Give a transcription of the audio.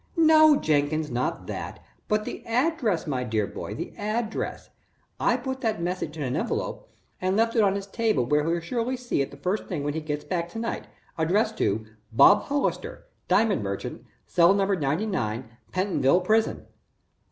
"No, Jenkins, not that, but the address, my dear boy, the address. I put that message in an envelope, and left it on his table where he'll surely see it the first thing when he gets back to night, addressed to 'Bob Hollister,' Diamond Merchant, Cell No. 99, Pentonville Prison."